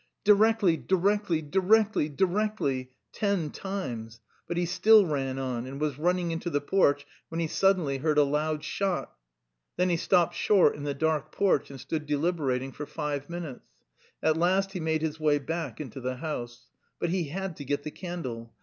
"Directly, directly, directly, directly." Ten times. But he still ran on, and was running into the porch when he suddenly heard a loud shot. Then he stopped short in the dark porch and stood deliberating for five minutes; at last he made his way back into the house. But he had to get the candle.